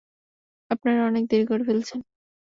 আপনারা অনেক দেরি করে ফেলেছেন।